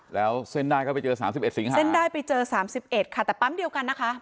แล้วเส้นได้ก็ไปเจอ๓๑สิงหาเส้นได้ไปเจอ๓๑ค่ะแต่ปั๊มเดียวกันนะคะ